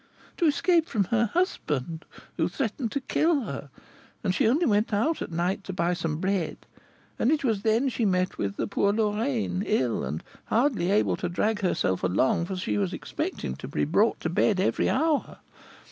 "To escape from her husband, who threatened to kill her; and she only went out at night to buy some bread, and it was then she met with the poor Lorraine, ill, and hardly able to drag herself along, for she was expecting to be brought to bed every hour.